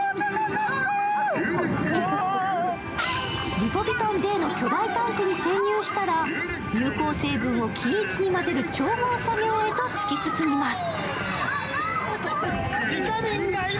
リポビタンＤの巨大タンクに潜入したら、有効成分を均一に混ぜる調合作業へと進みます。